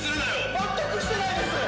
全くしてないです。